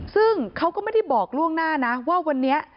ซึ่งเขาก็ไม่ได้บอกล่วงหน้านะว่าวันนี้